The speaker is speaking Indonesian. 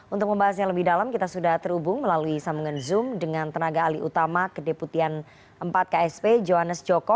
untuk membahasnya lebih dalam kita sudah terhubung melalui sambungan zoom dengan tenaga alih utama kedeputian empat ksp johannes joko